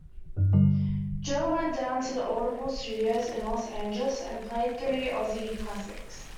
Joe went down to Audible Studios in Los Angeles and played three Ozzy classics.